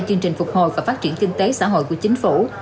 chương trình phục hồi và phát triển kinh tế xã hội của chính phủ